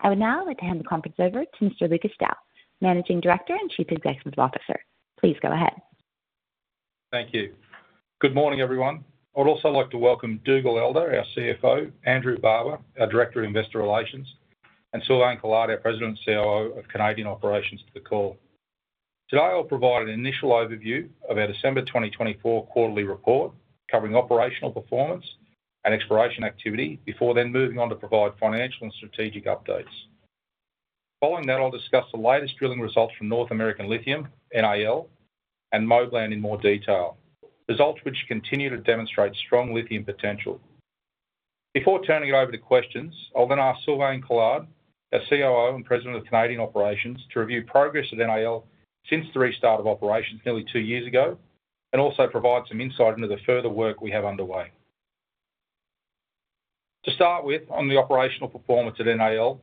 I would now like to hand the conference over to Mr. Lucas Dow, Managing Director and Chief Executive Officer. Please go ahead. Thank you. Good morning, everyone. I'd also like to welcome Dougal Elder, our CFO, Andrew Barber, our Director of Investor Relations, and Sylvain Collard, our President and COO of Canadian Operations, to the call. Today, I'll provide an initial overview of our December 2024 quarterly report covering operational performance and exploration activity before then moving on to provide financial and strategic updates. Following that, I'll discuss the latest drilling results from North American Lithium (NAL) and Moblan in more detail, results which continue to demonstrate strong lithium potential. Before turning it over to questions, I'll then ask Sylvain Collard, our COO and President of Canadian Operations, to review progress at NAL since the restart of operations nearly two years ago and also provide some insight into the further work we have underway. To start with, on the operational performance at NAL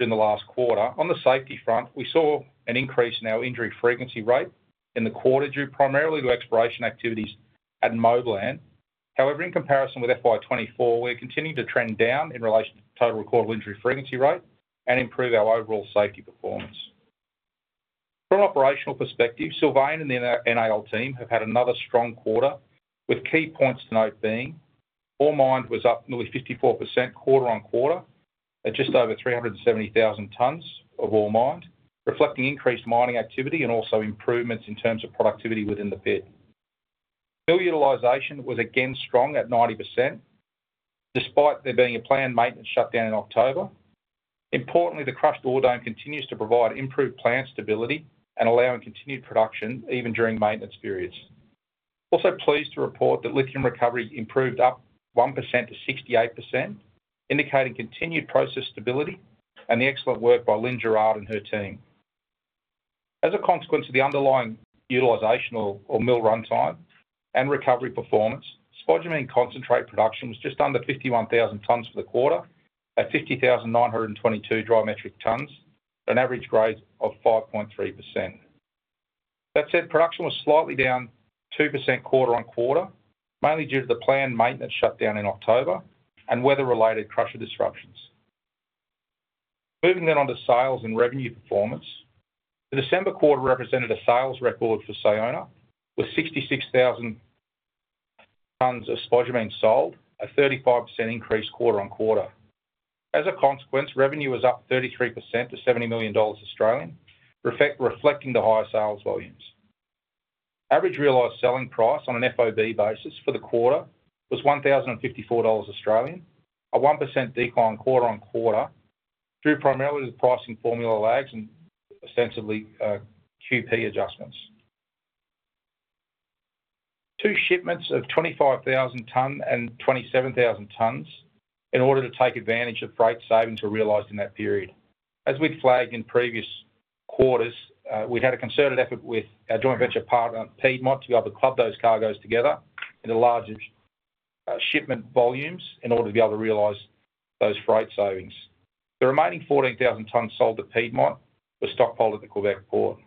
in the last quarter, on the safety front, we saw an increase in our injury frequency rate in the quarter due primarily to exploration activities at Moblan. However, in comparison with FY 2024, we're continuing to trend down in relation to total recorded injury frequency rate and improve our overall safety performance. From an operational perspective, Sylvain and the NAL team have had another strong quarter, with key points to note being ROM was up nearly 54% quarter on quarter at just over 370,000 tonnes of ROM, reflecting increased mining activity and also improvements in terms of productivity within the pit. Fuel utilization was again strong at 90%, despite there being a planned maintenance shutdown in October. Importantly, the crushed ore dome continues to provide improved plant stability and allowing continued production even during maintenance periods. Also pleased to report that lithium recovery improved up 1%-68%, indicating continued process stability and the excellent work by Lyne Girard and her team. As a consequence of the underlying utilization or mill runtime and recovery performance, spodumene concentrate production was just under 51,000 tons for the quarter at 50,922 dry metric tons, an average grade of 5.3%. That said, production was slightly down 2% quarter on quarter, mainly due to the planned maintenance shutdown in October and weather-related crusher disruptions. Moving then on to sales and revenue performance, the December quarter represented a sales record for Sayona, with 66,000 tons of spodumene sold, a 35% increase quarter on quarter. As a consequence, revenue was up 33% to 70 million Australian dollars, reflecting the higher sales volumes. Average realized selling price on an FOB basis for the quarter was 1,054 Australian dollars, a 1% decline quarter on quarter, due primarily to the pricing formula lags and ostensibly QP adjustments. Two shipments of 25,000 tonnes and 27,000 tonnes in order to take advantage of freight savings were realized in that period. As we've flagged in previous quarters, we had a concerted effort with our joint venture partner, Piedmont, to be able to club those cargoes together into larger shipment volumes in order to be able to realize those freight savings. The remaining 14,000 tonnes sold at Piedmont were stockpiled at the Quebec port.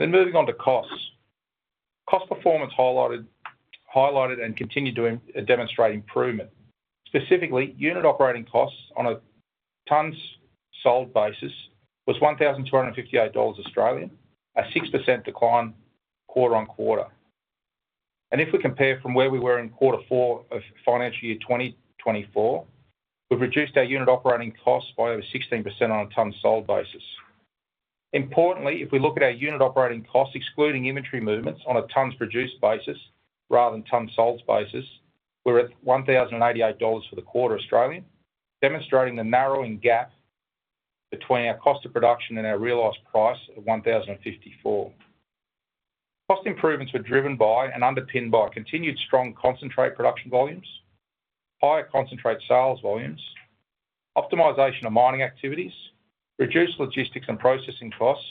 Then moving on to costs, cost performance highlighted and continued to demonstrate improvement. Specifically, unit operating costs on a tonnes sold basis was 1,258 Australian dollars, a 6% decline quarter on quarter. And if we compare from where we were in quarter four of financial year 2024, we've reduced our unit operating costs by over 16% on a tons sold basis. Importantly, if we look at our unit operating costs, excluding inventory movements on a tons produced basis rather than tons sold basis, we're at 1,088 dollars for the quarter, demonstrating the narrowing gap between our cost of production and our realized price of 1,054. Cost improvements were driven by and underpinned by continued strong concentrate production volumes, higher concentrate sales volumes, optimization of mining activities, reduced logistics and processing costs,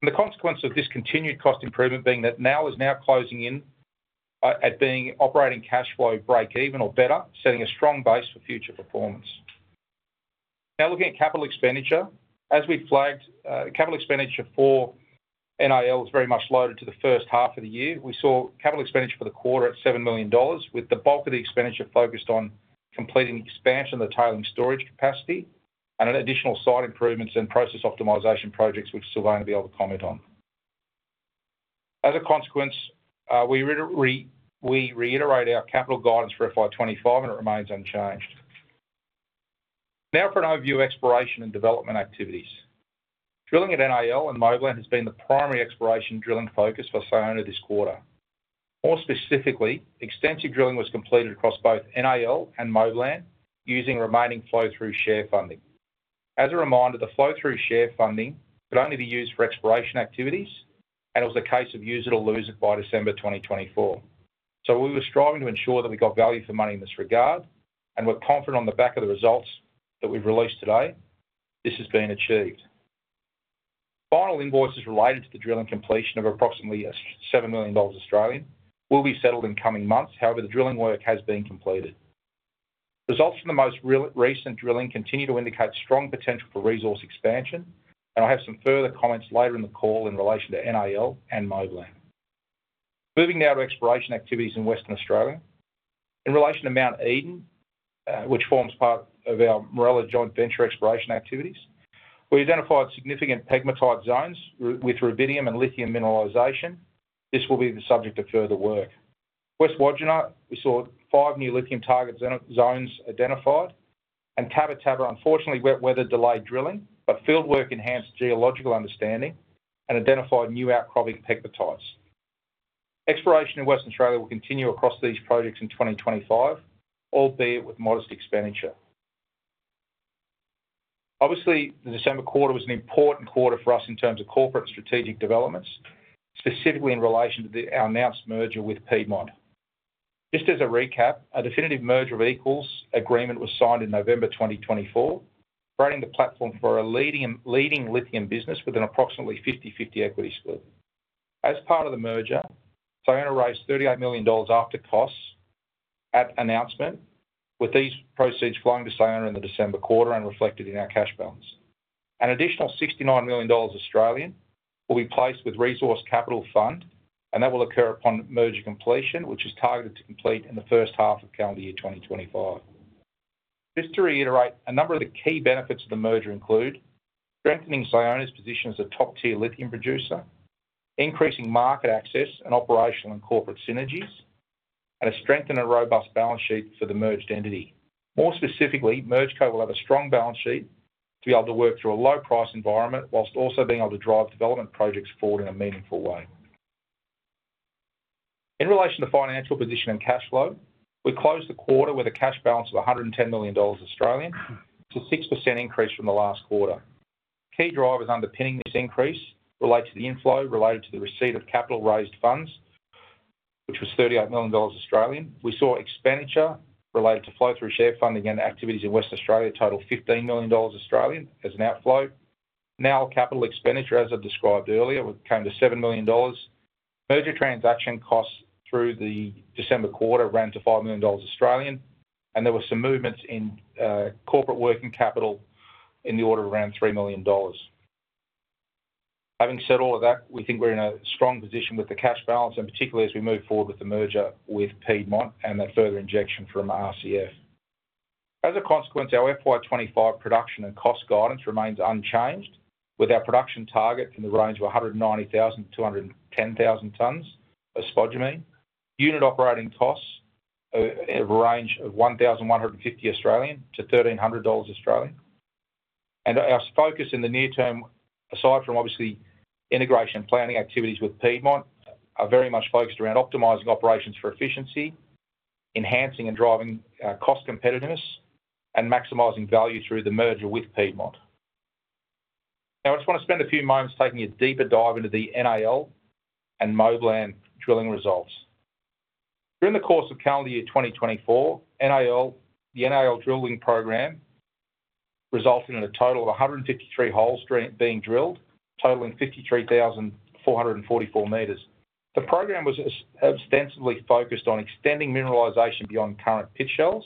and the consequence of this continued cost improvement being that now is closing in at being operating cash flow break-even or better, setting a strong base for future performance. Now looking at capital expenditure, as we've flagged, capital expenditure for NAL was very much loaded to the first half of the year. We saw capital expenditure for the quarter at 7 million dollars, with the bulk of the expenditure focused on completing expansion of the tailings storage capacity and additional site improvements and process optimization projects, which Sylvain will be able to comment on. As a consequence, we reiterate our capital guidance for FY 2025, and it remains unchanged. Now for an overview of exploration and development activities. Drilling at NAL and Moblan has been the primary exploration drilling focus for Sayona this quarter. More specifically, extensive drilling was completed across both NAL and Moblan using remaining flow-through share funding. As a reminder, the flow-through share funding could only be used for exploration activities, and it was a case of use it or lose it by December 2024. We were striving to ensure that we got value for money in this regard and were confident on the back of the results that we've released today, this has been achieved. Final invoices related to the drilling completion of approximately 7 million Australian dollars will be settled in coming months. However, the drilling work has been completed. Results from the most recent drilling continue to indicate strong potential for resource expansion, and I'll have some further comments later in the call in relation to NAL and Moblan. Moving NAL to exploration activities in Western Australia. In relation to Mount Edon, which forms part of our Morella joint venture exploration activities, we identified significant pegmatite zones with rubidium and lithium mineralization. This will be the subject of further work. West Wodgina, we saw five new lithium target zones identified, and Tabba Tabba, unfortunately, wet weather delayed drilling, but fieldwork enhanced geological understanding and identified new outcropping pegmatites. Exploration in Western Australia will continue across these projects in 2025, albeit with modest expenditure. Obviously, the December quarter was an important quarter for us in terms of corporate and strategic developments, specifically in relation to our announced merger with Piedmont. Just as a recap, a definitive merger of equals agreement was signed in November 2024, creating the platform for a leading lithium business with an approximately 50/50 equity split. As part of the merger, Sayona raised 38 million dollars after costs at announcement, with these proceeds flowing to Sayona in the December quarter and reflected in our cash balance. An additional 69 million Australian dollars will be placed with Resource Capital Funds, and that will occur upon merger completion, which is targeted to complete in the first half of calendar year 2025. Just to reiterate, a number of the key benefits of the merger include strengthening Sayona's position as a top-tier lithium producer, increasing market access and operational and corporate synergies, and a strengthened and robust balance sheet for the merged entity. More specifically, MergeCo will have a strong balance sheet to be able to work through a low-price environment while also being able to drive development projects forward in a meaningful way. In relation to financial position and cash flow, we closed the quarter with a cash balance of 110 million Australian dollars, a 6% increase from the last quarter. Key drivers underpinning this increase relate to the inflow related to the receipt of capital-raised funds, which was 38 million Australian dollars. We saw expenditure related to flow-through share funding and activities in Western Australia total 15 million Australian dollars as an outflow. Now, capital expenditure, as I described earlier, came to 7 million dollars. Merger transaction costs through the December quarter ran to 5 million Australian dollars, and there were some movements in corporate working capital in the order of around 3 million dollars. Having said all of that, we think we're in a strong position with the cash balance, and particularly as we move forward with the merger with Piedmont and that further injection from RCF. As a consequence, our FY 2025 production and cost guidance remains unchanged, with our production target in the range of 190,000-210,000 for spodumene. Unit operating costs of a range of 1,150-1,300 Australian dollars. Our focus in the near term, aside from obviously integration and planning activities with Piedmont, is very much focused around optimizing operations for efficiency, enhancing and driving cost competitiveness, and maximizing value through the merger with Piedmont. Now, I just want to spend a few moments taking a deeper dive into the NAL and Moblan drilling results. During the course of calendar year 2024, the NAL drilling program resulted in a total of 153 holes being drilled, totaling 53,444 meters. The program was ostensibly focused on extending mineralization beyond current pit shells,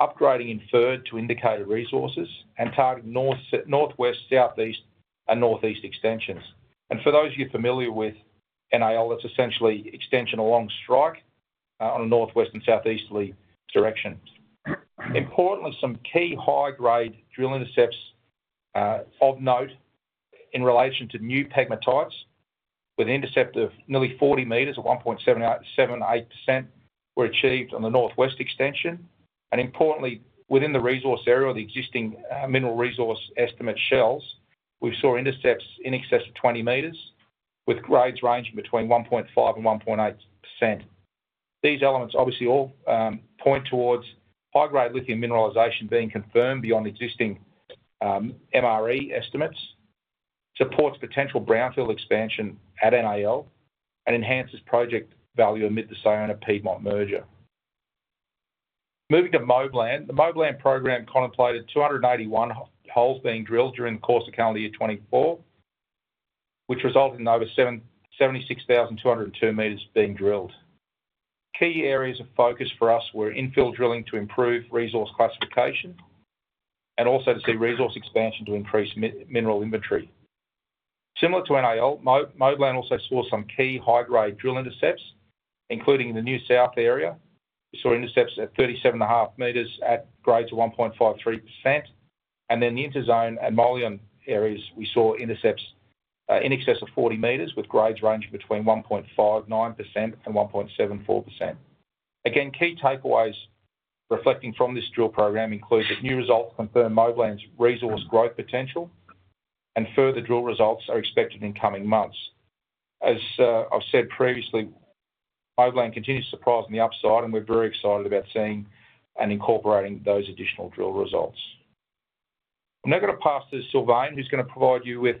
upgrading inferred to indicated resources, and targeting northwest, southeast, and northeast extensions. For those of you familiar with NAL, that's essentially extension along strike on a northwest and southeasterly direction. Importantly, some key high-grade drill intercepts of note in relation to new pegmatites with intercept of nearly 40 meters at 1.78% were achieved on the northwest extension. Importantly, within the resource area or the existing mineral resource estimate shells, we saw intercepts in excess of 20 meters with grades ranging between 1.5 and 1.8%. These elements obviously all point towards high-grade lithium mineralization being confirmed beyond existing MRE estimates, supports potential brownfield expansion at NAL, and enhances project value amid the Sayona-Piedmont merger. Moving to Moblan, the Moblan program contemplated 281 holes being drilled during the course of calendar year 2024, which resulted in over 76,202 meters being drilled. Key areas of focus for us were infill drilling to improve resource classification and also to see resource expansion to increase mineral inventory. Similar to NAL, Moblan also saw some key high-grade drill intercepts, including in the New South area. We saw intercepts at 37.5 meters at grades of 1.53%. Then the Interzone and Moleon areas, we saw intercepts in excess of 40 meters with grades ranging between 1.59% and 1.74%. Again, key takeaways reflecting from this drill program include that new results confirm Moblan's resource growth potential, and further drill results are expected in coming months. As I've said previously, Moblan continues to surprise on the upside, and we're very excited about seeing and incorporating those additional drill results. I'm now going to pass to Sylvain, who's going to provide you with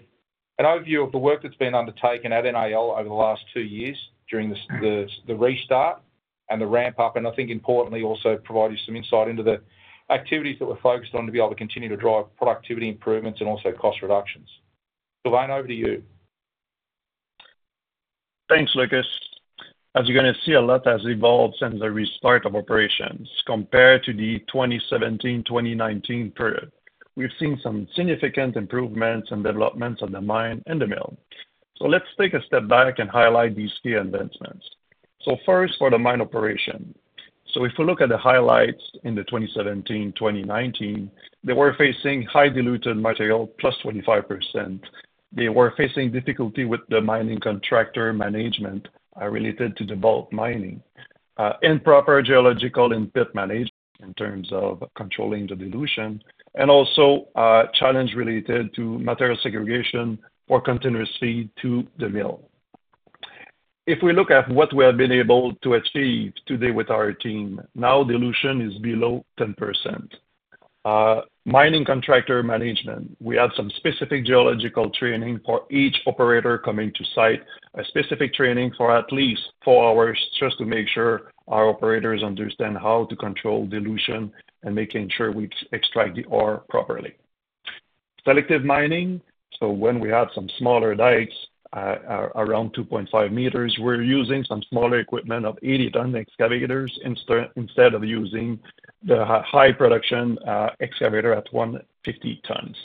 an overview of the work that's been undertaken at NAL over the last two years during the restart and the ramp-up, and I think, importantly, also provide you some insight into the activities that we're focused on to be able to continue to drive productivity improvements and also cost reductions. Sylvain, over to you. Thanks, Lucas. As you're going to see, a lot has evolved since the restart of operations. Compared to the 2017-2019 period, we've seen some significant improvements and developments at the mine and the mill. Let's take a step back and highlight these key advancements. First, for the mine operation. If we look at the highlights in the 2017-2019, they were facing high diluted material plus 25%. They were facing difficulty with the mining contractor management related to bulk mining, improper geological and pit management in terms of controlling the dilution, and also challenge related to material segregation or continuous feed to the mill. If we look at what we have been able to achieve today with our team, now dilution is below 10%. Mining contractor management. We had some specific geological training for each operator coming to site, a specific training for at least four hours just to make sure our operators understand how to control dilution and making sure we extract the ore properly. Selective mining, so when we had some smaller dikes around 2.5 meters, we're using some smaller equipment of 80-ton excavators instead of using the high production excavator at 150 tons.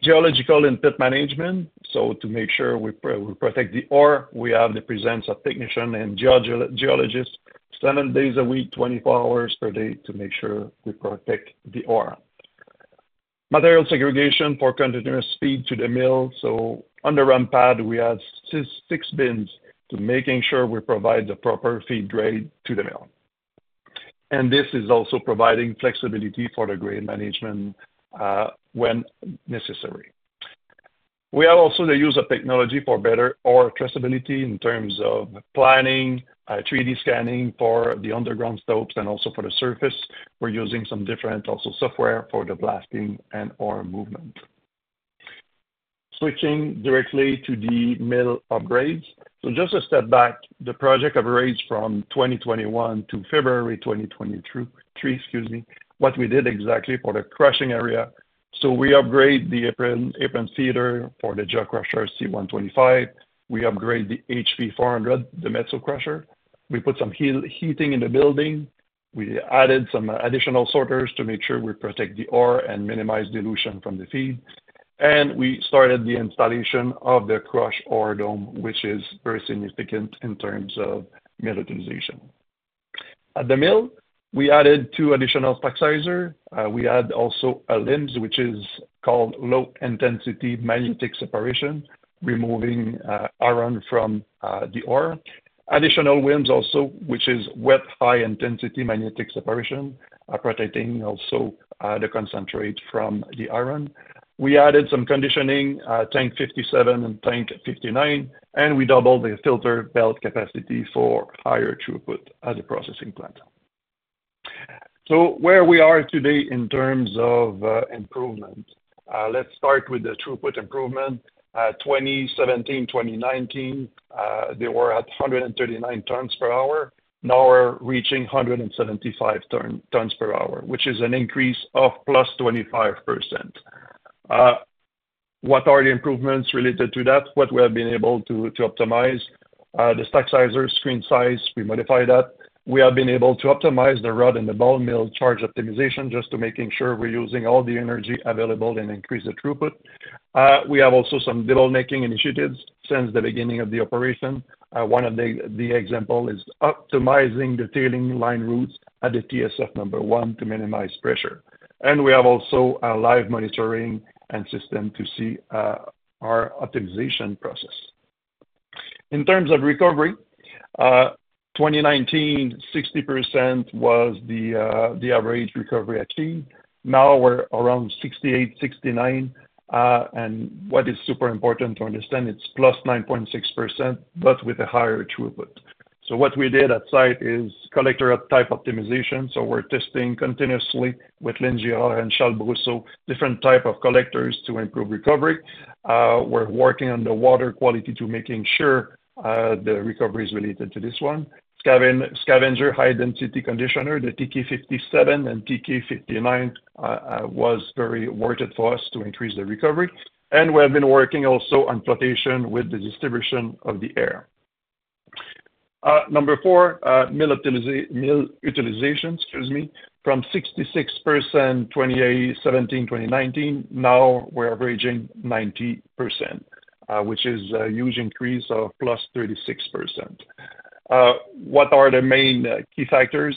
Geological and pit management, so to make sure we protect the ore, we have the presence of technician and geologist seven days a week, 24 hours per day to make sure we protect the ore. Material segregation for continuous feed to the mill, so under ramp-up, we have six bins to making sure we provide the proper feed grade to the mill, and this is also providing flexibility for the grade management when necessary. We have also the use of technology for better ore traceability in terms of planning, 3D scanning for the underground slopes, and also for the surface. We're using some different software for the blasting and ore movement. Switching directly to the mill upgrades. Just a step back, the project averaged from 2021 to February 2023, what we did exactly for the crushing area. We upgraded the apron feeder for the jaw crusher C125. We upgraded the HP400, the cone crusher. We put some heating in the building. We added some additional sorters to make sure we protect the ore and minimize dilution from the feed, and we started the installation of the crushed ore dome, which is very significant in terms of mill utilization. At the mill, we added two additional Stack Sizers. We added also a LIMS, which is called low-intensity magnetic separation, removing iron from the ore. Additional WHIMS also, which is wet high-intensity magnetic separation, protecting also the concentrate from the iron. We added some conditioning, tank 57 and tank 59, and we doubled the filter belt capacity for higher throughput at the processing plant. Where we are today in terms of improvement, let's start with the throughput improvement. 2017-2019, they were at 139 tons per hour. Now we're reaching 175 tons per hour, which is an increase of plus 25%. What are the improvements related to that? What we have been able to optimize? The Stack Sizer, screen size, we modified that. We have been able to optimize the rod and the ball mill charge optimization just to making sure we're using all the energy available and increase the throughput. We have also some value-adding initiatives since the beginning of the operation. One of the examples is optimizing the tailings line routes at the TSF number one to minimize pressure. And we have also a live monitoring system to see our optimization process. In terms of recovery, 2019, 60% was the average recovery achieved. Now we're around 68%-69%. And what is super important to understand, it's plus 9.6%, but with a higher throughput. So what we did at site is collector type optimization. So we're testing continuously with Lyne Girard and Charles Boissé different types of collectors to improve recovery. We're working on the water quality to making sure the recovery is related to this one. Scavenger high-density conditioner, the TK57 and TK59 was very worth it for us to increase the recovery. And we have been working also on flotation with the distribution of the air. Number four, mill utilization. Excuse me, from 66% 2017-2019, now we're averaging 90%, which is a huge increase of +36%. What are the main key factors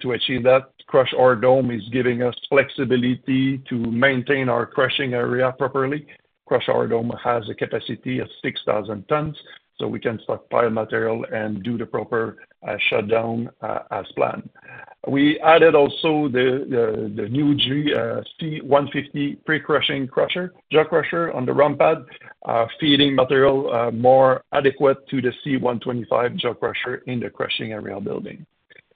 to achieve that? Crushed ore dome is giving us flexibility to maintain our crushing area properly. Crushed ore dome has a capacity of 6,000 tons, so we can stockpile material and do the proper shutdown as planned. We added also the new C150 pre-crushing jaw crusher on the ramp pad, feeding material more adequate to the C125 jaw crusher in the crushing area building.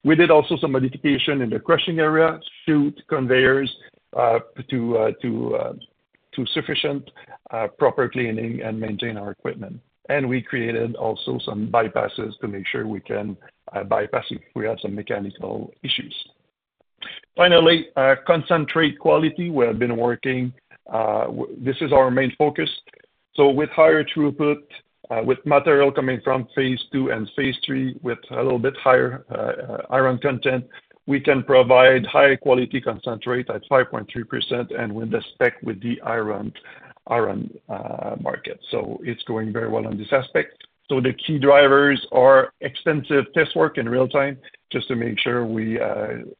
We did also some modification in the crushing area, chute conveyors to facilitate proper cleaning and maintain our equipment. We created also some bypasses to make sure we can bypass if we have some mechanical issues. Finally, concentrate quality. We have been working. This is our main focus. So, with higher throughput, with material coming from phase two and phase three with a little bit higher iron content, we can provide high-quality concentrate at 5.3% and with the spec with the iron market. So, it's going very well on this aspect. So, the key drivers are extensive test work in real-time just to make sure we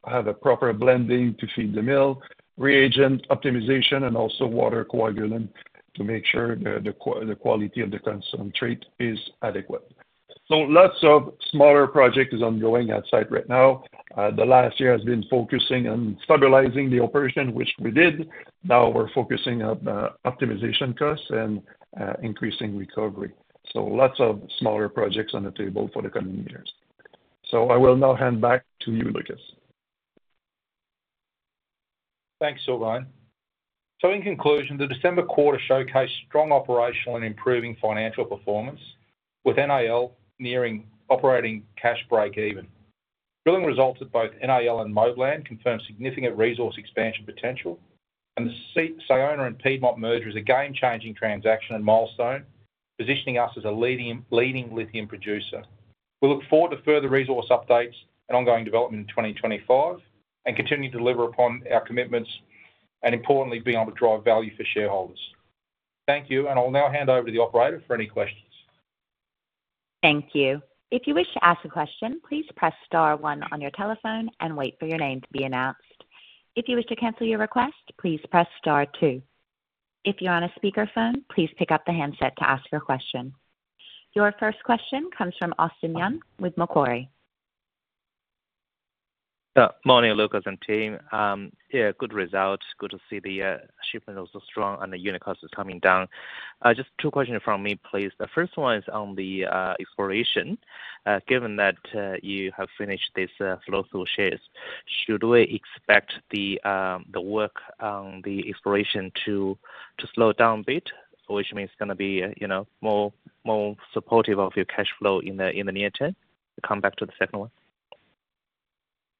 have a proper blending to feed the mill, reagent optimization, and also water coagulant to make sure the quality of the concentrate is adequate. So, lots of smaller projects are ongoing at site right now. The last year has been focusing on stabilizing the operation, which we did. Now we're focusing on optimization costs and increasing recovery. So, lots of smaller projects on the table for the coming years. So, I will now hand back to you, Lucas. Thanks, Sylvain. So in conclusion, the December quarter showcased strong operational and improving financial performance, with NAL nearing operating cash break-even. Drilling results at both NAL and Moblan confirm significant resource expansion potential, and the Sayona and Piedmont merger is a game-changing transaction and milestone, positioning us as a leading lithium producer. We look forward to further resource updates and ongoing development in 2025 and continue to deliver upon our commitments and, importantly, being able to drive value for shareholders. Thank you, and I'll now hand over to the operator for any questions. Thank you. If you wish to ask a question, please press star one on your telephone and wait for your name to be announced. If you wish to cancel your request, please press star two. If you're on a speakerphone, please pick up the handset to ask your question. Your first question comes from Austin Young with Macquarie. Morning, Lucas and team. Yeah, good results. Good to see the shipment is strong and the unit cost is coming down. Just two questions from me, please. The first one is on the exploration. Given that you have finished these flow-through shares, should we expect the work on the exploration to slow down a bit, which means it's going to be more supportive of your cash flow in the near term? Come back to the second one.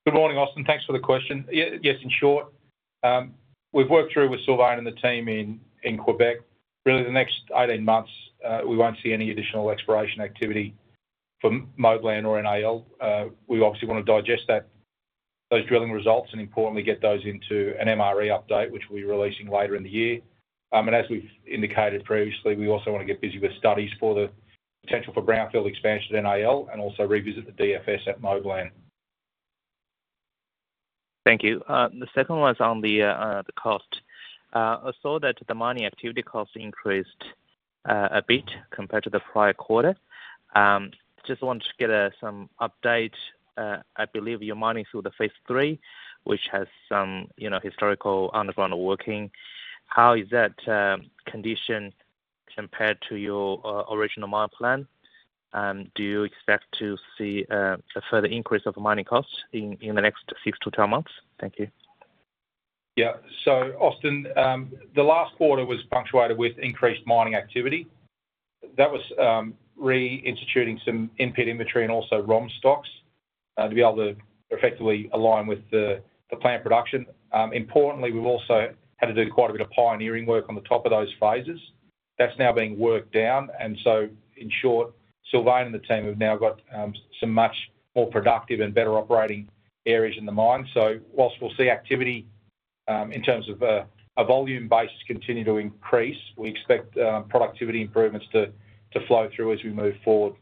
Good morning, Austin. Thanks for the question. Yes, in short, we've worked through with Sylvain and the team in Quebec. Really, the next 18 months, we won't see any additional exploration activity for Moblan or NAL. We obviously want to digest those drilling results and, importantly, get those into an MRE update, which we'll be releasing later in the year. And as we've indicated previously, we also want to get busy with studies for the potential for brownfield expansion at NAL and also revisit the DFS at Moblan. Thank you. The second one is on the cost. I saw that the mining activity cost increased a bit compared to the prior quarter. Just wanted to get some update. I believe you're mining through the phase three, which has some historical underground working. How is that condition compared to your original mine plan? Do you expect to see a further increase of mining costs in the next 6 to 12 months? Thank you. Yeah. So, Austin, the last quarter was punctuated with increased mining activity. That was reinstituting some input inventory and also ROM stocks to be able to effectively align with the plant production. Importantly, we've also had to do quite a bit of pioneering work on the top of those phases. That's now being worked down. And so, in short, Sylvain and the team have now got some much more productive and better operating areas in the mine. So whilst we'll see activity in terms of a volume base continue to increase, we expect productivity improvements to flow through as we move forward.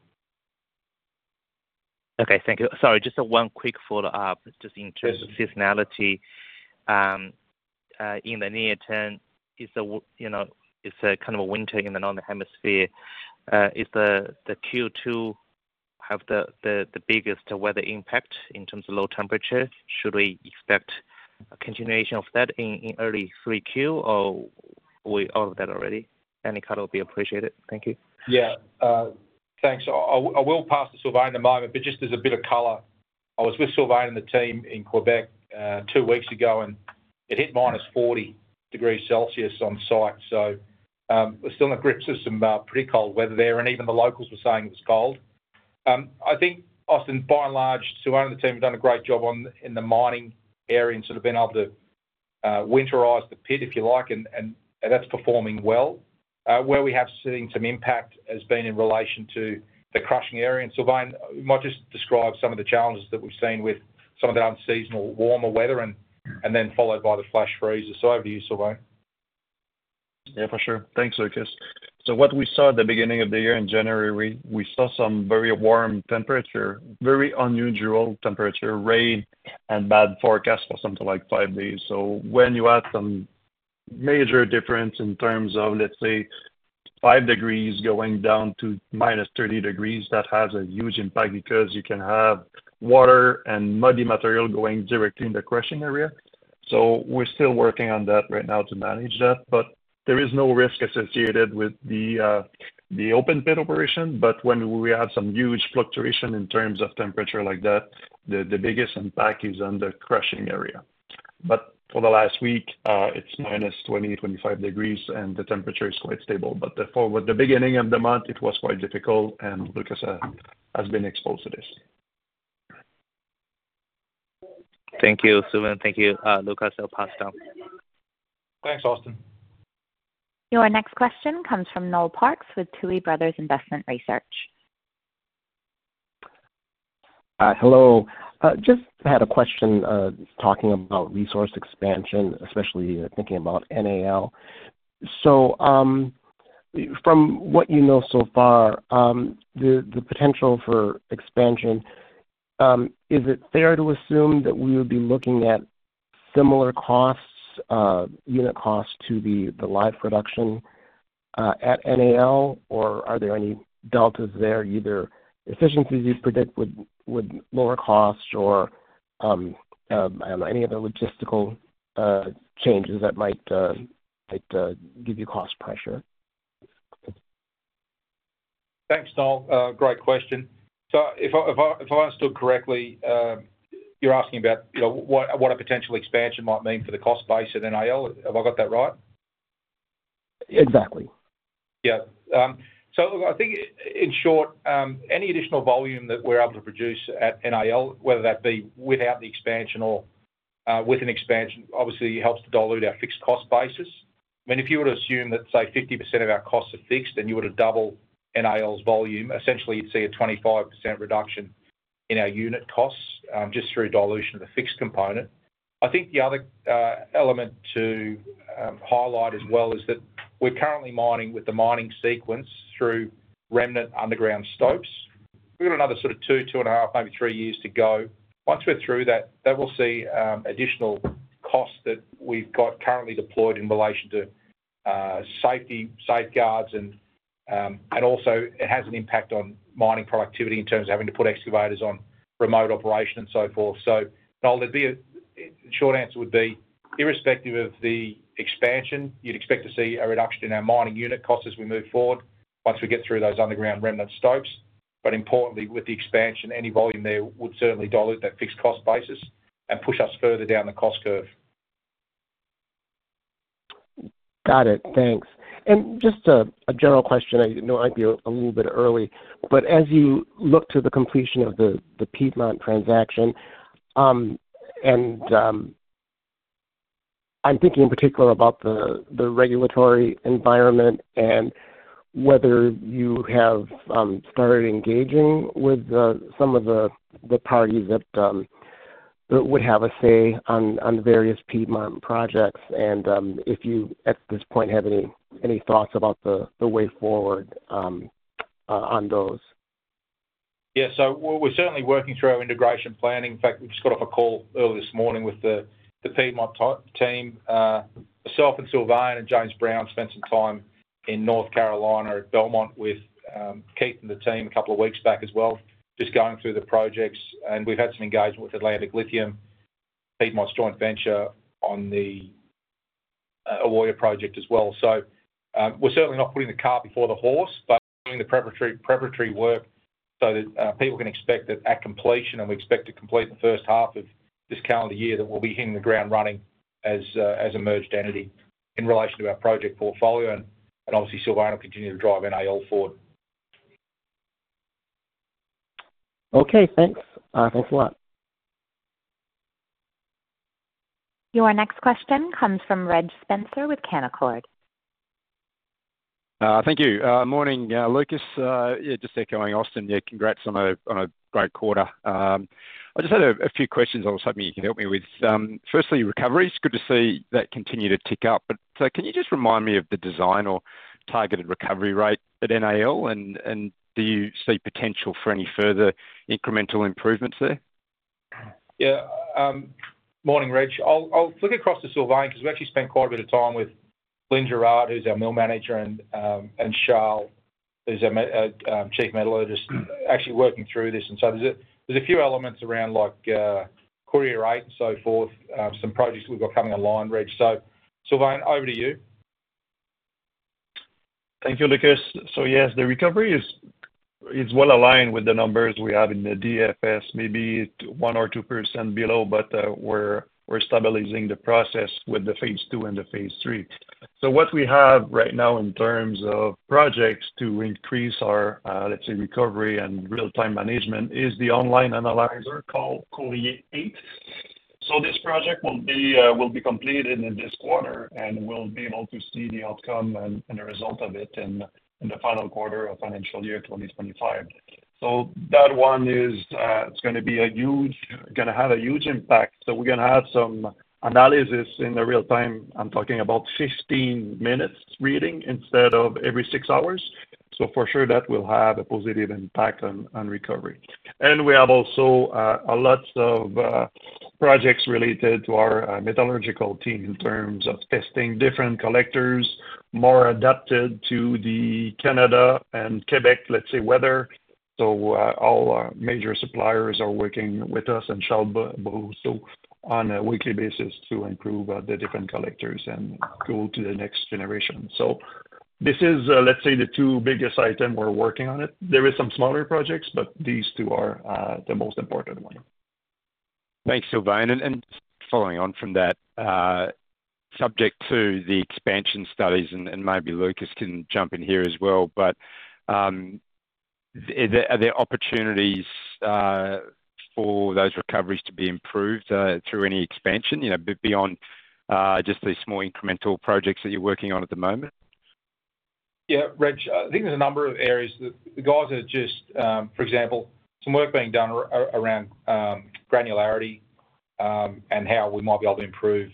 Okay. Thank you. Sorry, just one quick follow-up just in terms of seasonality. In the near term, it's kind of a winter in the northern hemisphere. Is the Q2 have the biggest weather impact in terms of low temperature? Should we expect a continuation of that in early Q3, or we're out of that already? Any color would be appreciated. Thank you. Yeah. Thanks. I will pass to Sylvain in a moment, but just as a bit of color, I was with Sylvain and the team in Quebec two weeks ago, and it hit minus 40 degrees Celsius on site, so we're still in the grips of some pretty cold weather there, and even the locals were saying it was cold. I think, Austin, by and large, Sylvain and the team have done a great job in the mining area and sort of been able to winterize the pit, if you like, and that's performing well. Where we have seen some impact has been in relation to the crushing area, and Sylvain, you might just describe some of the challenges that we've seen with some of the unseasonal warmer weather and then followed by the flash freezers, so over to you, Sylvain. Yeah, for sure. Thanks, Lucas. So, what we saw at the beginning of the year in January, we saw some very warm temperature, very unusual temperature, rain, and bad forecast for something like five days. So, when you add some major difference in terms of, let's say, five degrees going down to minus 30 degrees, that has a huge impact because you can have water and muddy material going directly in the crushing area. So, we're still working on that right now to manage that, but there is no risk associated with the open pit operation. But when we have some huge fluctuation in terms of temperature like that, the biggest impact is on the crushing area. But for the last week, it's minus 20, 25 degrees, and the temperature is quite stable. But for the beginning of the month, it was quite difficult, and Lucas has been exposed to this. Thank you, Sylvain. Thank you, Lucas. I'll pass down. Thanks, Austin. Your next question comes from Noel Parks with Tuohy Brothers Investment Research. Hello. Just had a question talking about resource expansion, especially thinking about NAL. So from what you know so far, the potential for expansion, is it fair to assume that we would be looking at similar costs, unit costs to the live production at NAL, or are there any deltas there, either efficiencies you predict with lower costs or, I don't know, any other logistical changes that might give you cost pressure? Thanks, Noel. Great question. So if I understood correctly, you're asking about what a potential expansion might mean for the cost base at NAL. Have I got that right? Exactly. Yeah. So I think, in short, any additional volume that we're able to produce at NAL, whether that be without the expansion or with an expansion, obviously helps to dilute our fixed cost basis. I mean, if you were to assume that, say, 50% of our costs are fixed and you were to double NAL's volume, essentially you'd see a 25% reduction in our unit costs just through dilution of the fixed component. I think the other element to highlight as well is that we're currently mining with the mining sequence through remnant underground stopes. We've got another sort of two, two and a half, maybe three years to go. Once we're through that, that will see additional costs that we've got currently deployed in relation to safety safeguards, and also it has an impact on mining productivity in terms of having to put excavators on remote operation and so forth. So, short answer would be, irrespective of the expansion, you'd expect to see a reduction in our mining unit costs as we move forward once we get through those underground remnant stopes. But importantly, with the expansion, any volume there would certainly dilute that fixed cost basis and push us further down the cost curve. Got it. Thanks. And just a general question. I know I might be a little bit early, but as you look to the completion of the Piedmont transaction, and I'm thinking in particular about the regulatory environment and whether you have started engaging with some of the parties that would have a say on various Piedmont projects, and if you, at this point, have any thoughts about the way forward on those. Yeah. So we're certainly working through our integration planning. In fact, we just got off a call early this morning with the Piedmont team. Myself and Sylvain and James Brown spent some time in North Carolina at Belmont with Keith and the team a couple of weeks back as well, just going through the projects, and we've had some engagement with Atlantic Lithium, Piedmont's joint venture, on the Ewoyaa project as well, so we're certainly not putting the cart before the horse, but doing the preparatory work so that people can expect that at completion, and we expect to complete the first half of this calendar year, that we'll be hitting the ground running as a merged entity in relation to our project portfolio, and obviously, Sylvain will continue to drive NAL forward. Okay. Thanks. Thanks a lot. Your next question comes from Reg Spencer with Canaccord. Thank you. Morning, Lucas. Yeah, just echoing Austin. Yeah, congrats on a great quarter. I just had a few questions I was hoping you could help me with. Firstly, recoveries. Good to see that continue to tick up. But can you just remind me of the design or targeted recovery rate at NAL, and do you see potential for any further incremental improvements there? Yeah. Morning, Reg. I'll flick across to Sylvain because we actually spent quite a bit of time with Lyne Girard, who's our mill manager, and Charles, who's our chief metallurgist, actually working through this. And so there's a few elements around recovery rate and so forth, some projects we've got coming online, Reg. So Sylvain, over to you. Thank you, Lucas. Yes, the recovery is well aligned with the numbers we have in the DFS, maybe 1 or 2% below, but we're stabilizing the process with the phase two and the phase three. So what we have right now in terms of projects to increase our, let's say, recovery and real-time management is the online analyzer called Courier 8. So this project will be completed in this quarter, and we'll be able to see the outcome and the result of it in the final quarter of financial year 2025. So that one is going to have a huge impact. So we're going to have some analysis in real-time. I'm talking about 15 minutes reading instead of every six hours. So for sure, that will have a positive impact on recovery. We have also lots of projects related to our metallurgical team in terms of testing different collectors, more adapted to the Canada and Quebec, let's say, weather. So all major suppliers are working with us and Charles Boisse on a weekly basis to improve the different collectors and go to the next generation. So this is, let's say, the two biggest items we're working on. There are some smaller projects, but these two are the most important ones. Thanks, Sylvain. And following on from that, subject to the expansion studies, and maybe Lucas can jump in here as well, but are there opportunities for those recoveries to be improved through any expansion beyond just these small incremental projects that you're working on at the moment? Yeah, Reg. I think there's a number of areas. The guys are just, for example, some work being done around granularity and how we might be able to improve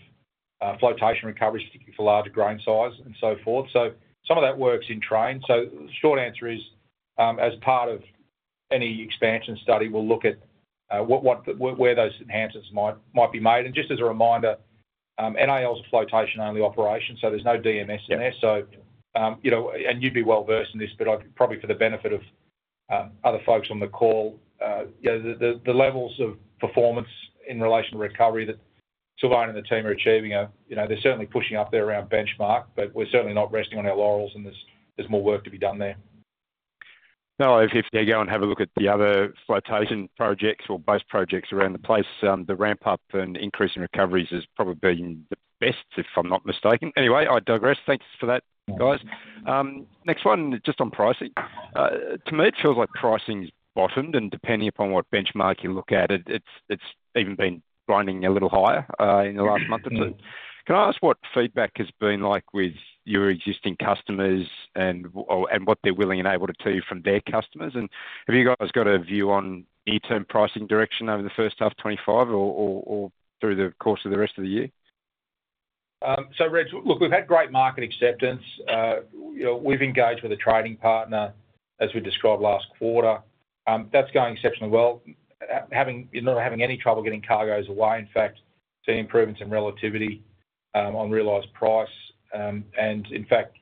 flotation recovery, particularly for larger grain size and so forth. So some of that works in train. So the short answer is, as part of any expansion study, we'll look at where those enhancements might be made. And just as a reminder, NAL's a flotation-only operation, so there's no DMS in there. And you'd be well versed in this, but probably for the benefit of other folks on the call, the levels of performance in relation to recovery that Sylvain and the team are achieving, they're certainly pushing up there around benchmark, but we're certainly not resting on our laurels, and there's more work to be done there. No, if you go and have a look at the other flotation projects or base projects around the place, the ramp-up and increase in recoveries is probably the best, if I'm not mistaken. Anyway, I digress. Thanks for that, guys. Next one, just on pricing. To me, it feels like pricing's bottomed, and depending upon what benchmark you look at, it's even been grinding a little higher in the last month or two. Can I ask what feedback has been like with your existing customers and what they're willing and able to tell you from their customers? And have you guys got a view on near-term pricing direction over the first half of 2025 or through the course of the rest of the year? So, Reg, look, we've had great market acceptance. We've engaged with a trading partner, as we described last quarter. That's going exceptionally well, not having any trouble getting cargoes away. In fact, seeing improvements in relativity on realized price, and in fact,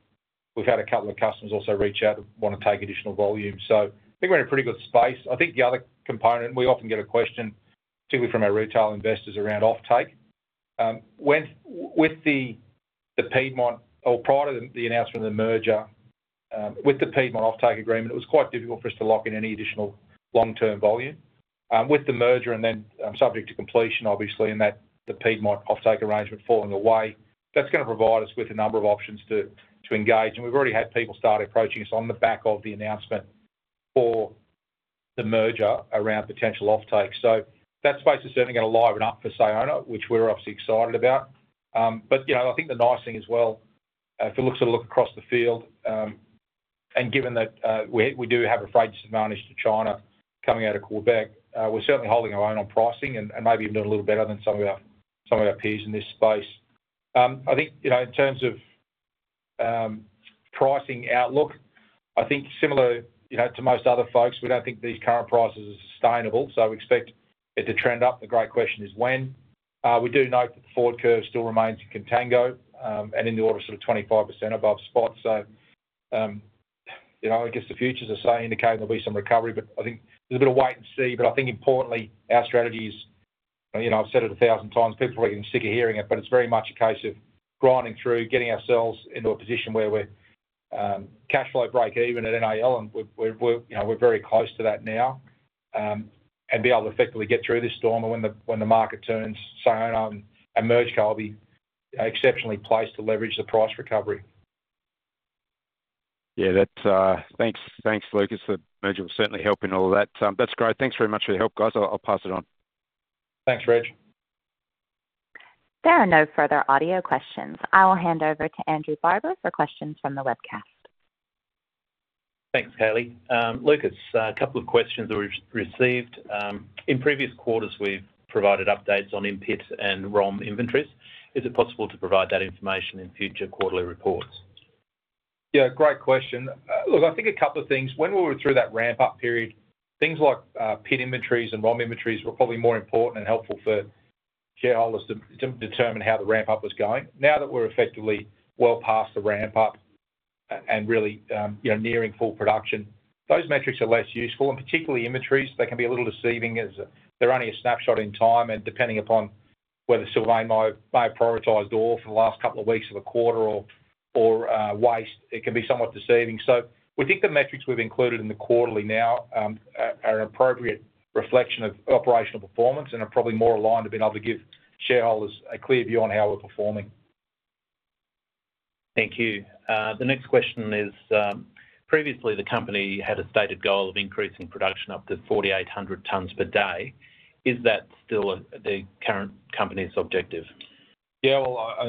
we've had a couple of customers also reach out that want to take additional volume, so I think we're in a pretty good space. I think the other component, we often get a question, particularly from our retail investors, around off-take. With the Piedmont, or prior to the announcement of the merger, with the Piedmont off-take agreement, it was quite difficult for us to lock in any additional long-term volume. With the merger and then subject to completion, obviously, and the Piedmont off-take arrangement falling away, that's going to provide us with a number of options to engage, and we've already had people start approaching us on the back of the announcement for the merger around potential off-take. So that space is certainly going to live it up for Sayona, which we're obviously excited about. But I think the nice thing as well, if we look across the field, and given that we do have a freight advantage to China coming out of Quebec, we're certainly holding our own on pricing and maybe even a little better than some of our peers in this space. I think in terms of pricing outlook, I think similar to most other folks, we don't think these current prices are sustainable. So we expect it to trend up. The great question is when. We do note that the forward curve still remains in contango and in the order of sort of 25% above spots. So I guess the futures are indicating there'll be some recovery, but I think there's a bit of wait and see. But I think, importantly, our strategy is. I've said it a thousand times, people are getting sick of hearing it, but it's very much a case of grinding through, getting ourselves into a position where we're cash flow break even at NAL, and we're very close to that now, and be able to effectively get through this storm. And when the market turns, Sayona and MergeCo will be exceptionally placed to leverage the price recovery. Yeah, thanks, Lucas. The merger will certainly help in all of that. That's great. Thanks very much for your help, guys. I'll pass it on. Thanks, Reg. There are no further audio questions. I will hand over to Andrew Barber for questions from the webcast. Thanks, Kelly. Lucas, a couple of questions that we've received. In previous quarters, we've provided updates on in-pit and ROM inventories. Is it possible to provide that information in future quarterly reports? Yeah, great question. Look, I think a couple of things. When we were through that ramp-up period, things like pit inventories and ROM inventories were probably more important and helpful for shareholders to determine how the ramp-up was going. Now that we're effectively well past the ramp-up and really nearing full production, those metrics are less useful, and particularly inventories, they can be a little deceiving as they're only a snapshot in time, and depending upon whether Sylvain may have prioritized or for the last couple of weeks of a quarter or waste, it can be somewhat deceiving, so we think the metrics we've included in the quarterly now are an appropriate reflection of operational performance and are probably more aligned to being able to give shareholders a clear view on how we're performing. Thank you. The next question is, previously, the company had a stated goal of increasing production up to 4,800 tons per day. Is that still the current company's objective? Yeah, well, I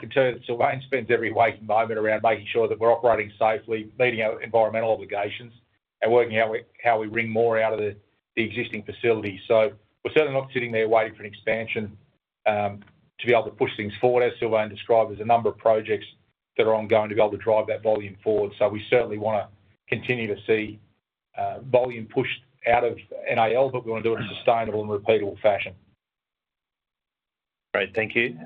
can tell you that Sylvain spends every waking moment around making sure that we're operating safely, meeting our environmental obligations, and working out how we wring more out of the existing facility. So we're certainly not sitting there waiting for an expansion to be able to push things forward. As Sylvain described, there's a number of projects that are ongoing to be able to drive that volume forward. So we certainly want to continue to see volume pushed out of NAL, but we want to do it in a sustainable and repeatable fashion. Great. Thank you.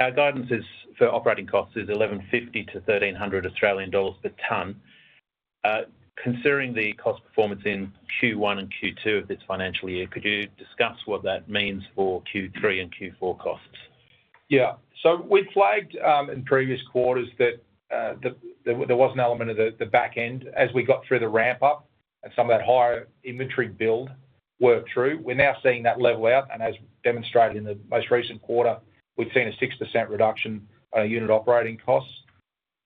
Our guidance for operating costs is 1,150-1,300 Australian dollars per ton. Considering the cost performance in Q1 and Q2 of this financial year, could you discuss what that means for Q3 and Q4 costs? Yeah. So we flagged in previous quarters that there was an element of the back end as we got through the ramp-up and some of that higher inventory build worked through. We're now seeing that level out. And as demonstrated in the most recent quarter, we've seen a 6% reduction in unit operating costs.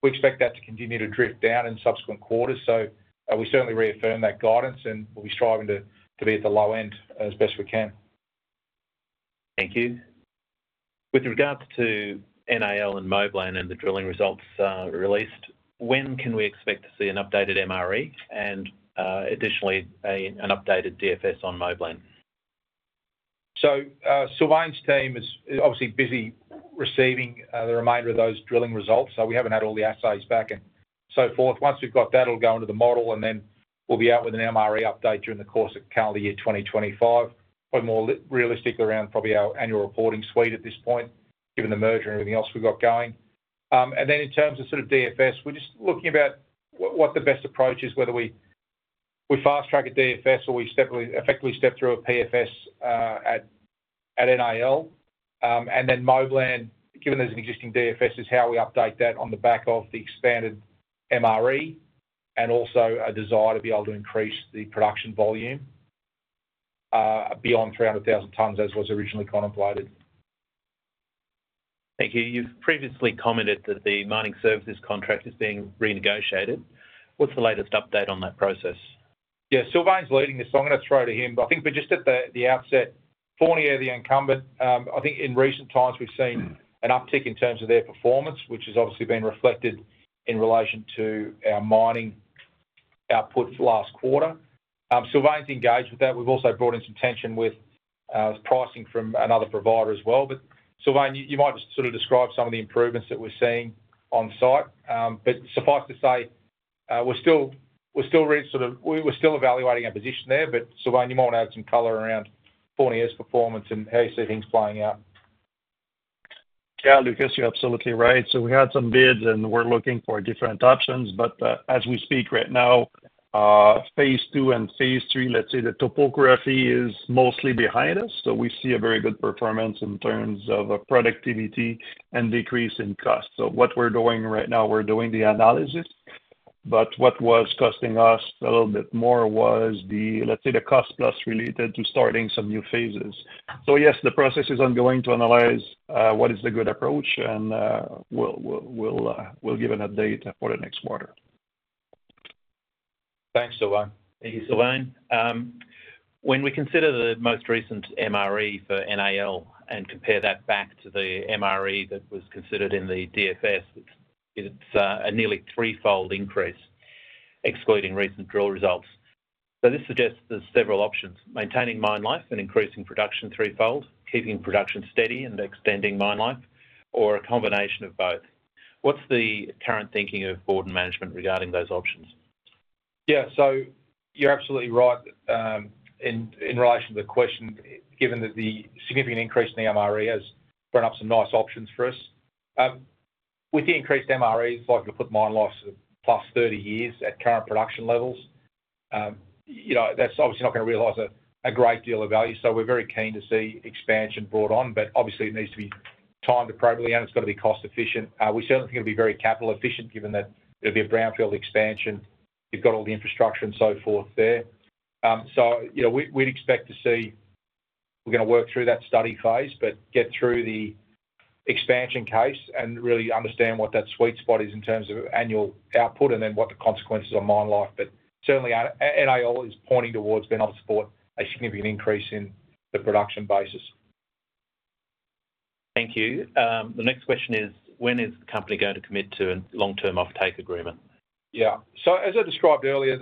We expect that to continue to drift down in subsequent quarters. So we certainly reaffirm that guidance, and we'll be striving to be at the low end as best we can. Thank you. With regards to NAL and Moblan and the drilling results released, when can we expect to see an updated MRE and additionally an updated DFS on Moblan? So Sylvain team is obviously busy receiving the remainder of those drilling results. So we haven't had all the assays back and so forth. Once we've got that, it'll go into the model, and then we'll be out with an MRE update during the course of calendar year 2025. Probably more realistic around our annual reporting suite at this point, given the merger and everything else we've got going. And then in terms of sort of DFS, we're just looking about what the best approach is, whether we fast-track a DFS or we effectively step through a PFS at NAL. And then Moblan, given there's an existing DFS, is how we update that on the back of the expanded MRE and also a desire to be able to increase the production volume beyond 300,000 tons as was originally contemplated. Thank you. You've previously commented that the mining services contract is being renegotiated. What's the latest update on that process? Yeah, Sylvain leading this, so I'm going to throw it to him. But I think just at the outset, Fournier, the incumbent, I think in recent times we've seen an uptick in terms of their performance, which has obviously been reflected in relation to our mining output for last quarter. Sylvain engaged with that. We've also brought in some tension with pricing from another provider as well. But Sylvain, you might just sort of describe some of the improvements that we're seeing on site. But suffice to say, we're still sort of evaluating our position there. But Sylvain, you might want to add some color around Fournier's performance and how you see things playing out. Yeah, Lucas, you're absolutely right. So we had some bids, and we're looking for different options. But as we speak right now, phase two and phase three, let's say the topography is mostly behind us. So we see a very good performance in terms of productivity and decrease in cost. So what we're doing right now, we're doing the analysis. But what was costing us a little bit more was the, let's say, the cost plus related to starting some new phases. So yes, the process is ongoing to analyze what is the good approach, and we'll give an update for the next quarter. Thanks, Sylvain. Thank you, Sylvain. When we consider the most recent MRE for NAL and compare that back to the MRE that was considered in the DFS, it's a nearly threefold increase, excluding recent drill results. So this suggests there's several options: maintaining mine life and increasing production threefold, keeping production steady and extending mine life, or a combination of both. What's the current thinking of board and management regarding those options? Yeah, so you're absolutely right in relation to the question, given that the significant increase in the MRE has brought up some nice options for us. With the increased MRE, it's like you put mine life to plus 30 years at current production levels. That's obviously not going to realize a great deal of value. So we're very keen to see expansion brought on, but obviously, it needs to be timed appropriately, and it's got to be cost-efficient. We certainly think it'll be very capital-efficient given that it'll be a brownfield expansion. You've got all the infrastructure and so forth there. So we'd expect to see we're going to work through that study phase, but get through the expansion case and really understand what that sweet spot is in terms of annual output and then what the consequences are on mine life. But certainly, NAL is pointing towards being able to support a significant increase in the production basis. Thank you. The next question is, when is the company going to commit to a long-term off-take agreement? Yeah. So as I described earlier,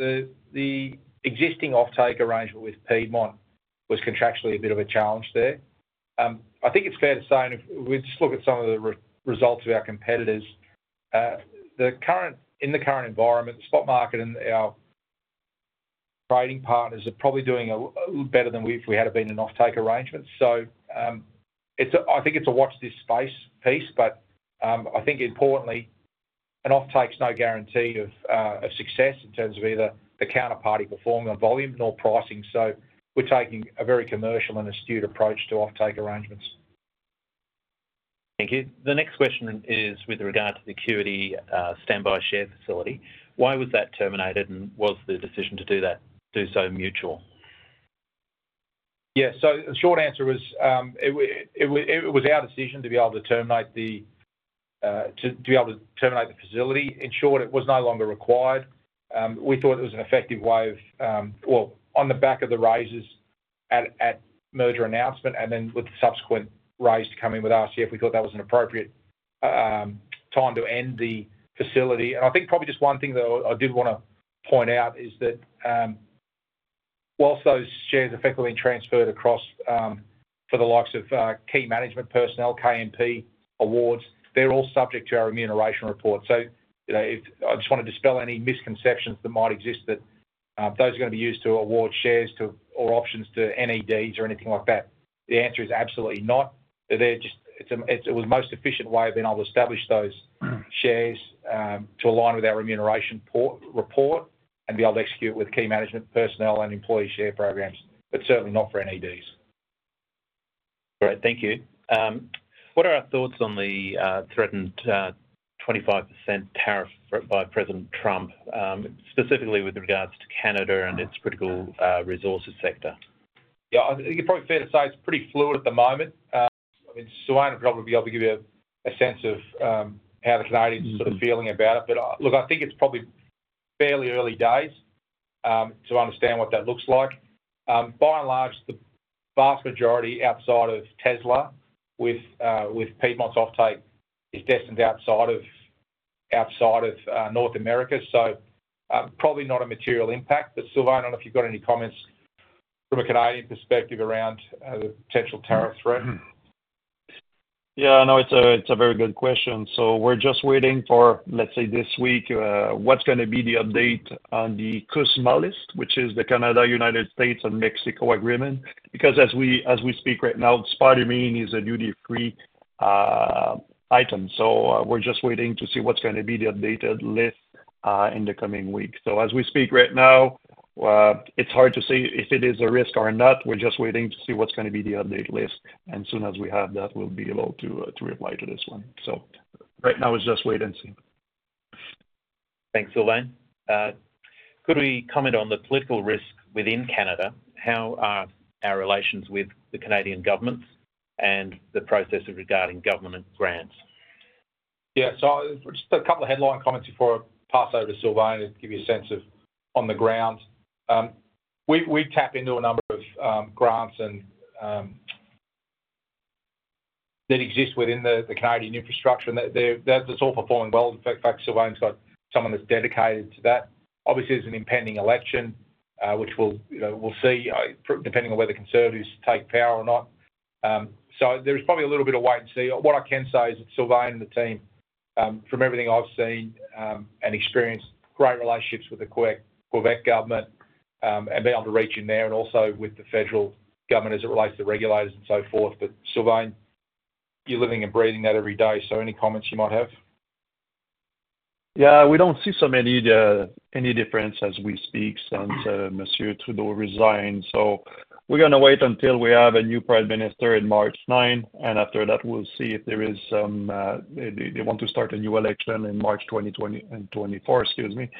the existing off-take arrangement with Piedmont was contractually a bit of a challenge there. I think it's fair to say, and if we just look at some of the results of our competitors, in the current environment, the spot market and our trading partners are probably doing a little better than if we had been in off-take arrangements. So I think it's a watch-this space piece, but I think, importantly, an off-take's no guarantee of success in terms of either the counterparty performing on volume nor pricing. So we're taking a very commercial and astute approach to off-take arrangements. Thank you. The next question is with regard to the Acuity standby share facility. Why was that terminated, and was the decision to do so mutual? Yeah. So the short answer was it was our decision to be able to terminate the facility. In short, it was no longer required. We thought it was an effective way of, well, on the back of the raises at merger announcement and then with the subsequent raise coming with RCF, we thought that was an appropriate time to end the facility. I think probably just one thing that I did want to point out is that while those shares are effectively being transferred across for the likes of key management personnel, KMP awards, they're all subject to our remuneration report. So I just want to dispel any misconceptions that might exist that those are going to be used to award shares or options to NEDs or anything like that. The answer is absolutely not. It was the most efficient way of being able to establish those shares to align with our remuneration report and be able to execute with key management personnel and employee share programs, but certainly not for NEDs. All right. Thank you. What are our thoughts on the threatened 25% tariff by President Trump, specifically with regard to Canada and its critical resources sector? Yeah, I think it's probably fair to say it's pretty fluid at the moment. I mean, Sylvain will probably be able to give you a sense of how the Canadians are sort of feeling about it. But look, I think it's probably fairly early days to understand what that looks like. By and large, the vast majority outside of Tesla with Piedmont's off-take is destined outside of North America. So probably not a material impact. But Sylvain, I don't know if you've got any comments from a Canadian perspective around the potential tariff threat. Yeah, no, it's a very good question. So we're just waiting for, let's say, this week, what's going to be the update on the CUSMA list, which is the Canada-United States and Mexico agreement. Because as we speak right now, spodumene is a duty-free item. We're just waiting to see what's going to be the updated list in the coming week. So as we speak right now, it's hard to say if it is a risk or not. We're just waiting to see what's going to be the update list. And as soon as we have that, we'll be able to reply to this one. So right now, it's just wait and see. Thanks, Sylvain. Could we comment on the political risk within Canada? How are our relations with the Canadian government and the process regarding government grants? Yeah. So just a couple of headline comments before I pass over to Sylvain to give you a sense of on the ground. We tap into a number of grants that exist within the Canadian infrastructure, and that's all performing well. In fact, Sylvain got someone that's dedicated to that. Obviously, there's an impending election, which we'll see depending on whether Conservatives take power or not. So there's probably a little bit of wait and see. What I can say is that Sylvain and the team, from everything I've seen and experienced, great relationships with the Quebec government and being able to reach in there and also with the federal government as it relates to regulators and so forth. But Sylvain, you're living and breathing that every day. So any comments you might have? Yeah, we don't see any difference as we speak. Since Monsieur Trudeau resigned. So we're going to wait until we have a new prime minister on March 9th. And after that, we'll see if there is some they want to start a new election in March 2024, excuse me.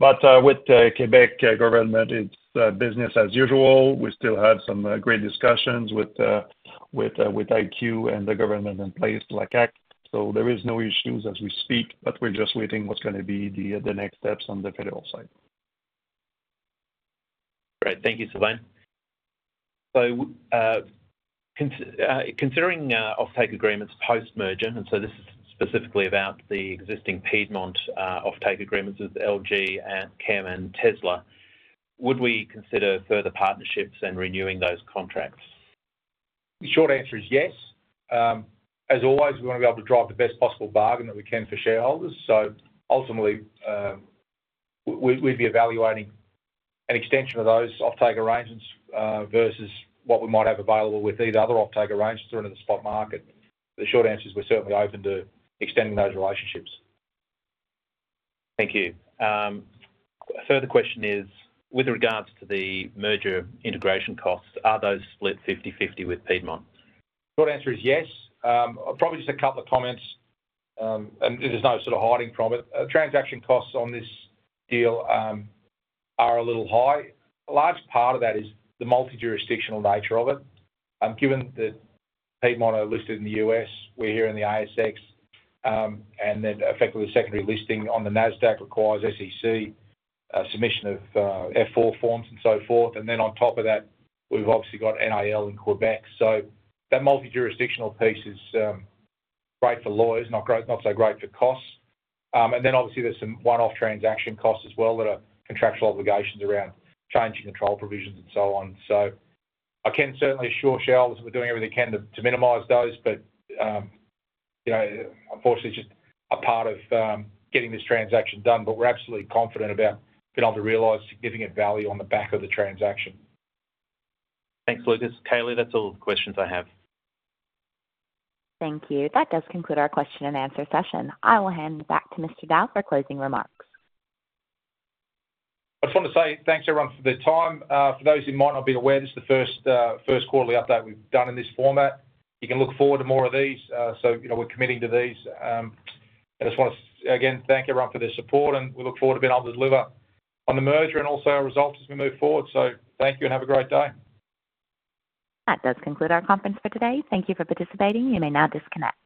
But with the Quebec government, it's business as usual. We still have some great discussions with IQ and the government in place like CAQ, so there are no issues as we speak, but we're just waiting what's going to be the next steps on the federal side. Great. Thank you, Sylvain. Considering off-take agreements post-merger, and this is specifically about the existing Piedmont off-take agreements with LG Chem and Tesla, would we consider further partnerships and renewing those contracts? The short answer is yes. As always, we want to be able to drive the best possible bargain that we can for shareholders. Ultimately, we'd be evaluating an extension of those off-take arrangements versus what we might have available with either other off-take arrangements or into the spot market. The short answer is we're certainly open to extending those relationships. Thank you. A further question is, with regards to the merger integration costs, are those split 50/50with Piedmont? Short answer is yes. Probably just a couple of comments, and there's no sort of hiding from it. Transaction costs on this deal are a little high. A large part of that is the multi-jurisdictional nature of it. Given that Piedmont are listed in the U.S., we're here in the ASX, and then effectively the secondary listing on the NASDAQ requires SEC submission of F-4 forms and so forth, and then on top of that, we've obviously got NAL in Quebec. So that multi-jurisdictional piece is great for lawyers, not so great for costs, and then obviously, there's some one-off transaction costs as well that are contractual obligations around change of control provisions and so on, so I can certainly assure shareholders that we're doing everything we can to minimize those. But unfortunately, it's just a part of getting this transaction done. But we're absolutely confident about being able to realize significant value on the back of the transaction. Thanks, Lucas. Kayleigh, that's all the questions I have. Thank you. That does conclude our question and answer session. I will hand back to Mr. Dow for closing remarks. I just want to say thanks, everyone, for the time. For those who might not be aware, this is the first quarterly update we've done in this format. You can look forward to more of these. So we're committing to these. I just want to, again, thank everyone for their support, and we look forward to being able to deliver on the merger and also our results as we move forward. So thank you and have a great day. That does conclude our conference for today. Thank you for participating. You may now disconnect.